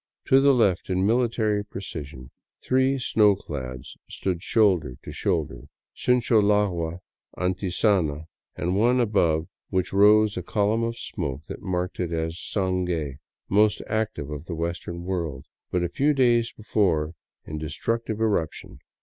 To the left, in military precision, three snow clads stood shoulder to shoulder — Sincholagua, Antisana, and one above which rose a column of smoke that marked it as Sangai, most active of the western world, but a few days before in destructive eruption.